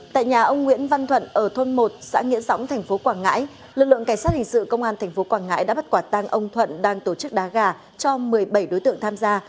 tại nhà ông nguyễn văn thuận ở thôn một xã nghĩa dõng tp quảng ngãi lực lượng cảnh sát hình sự công an tp quảng ngãi đã bắt quả tang ông thuận đang tổ chức đá gà cho một mươi bảy đối tượng tham gia